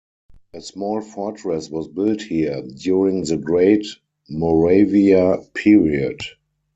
A small fortress was built here during the Great Moravia period.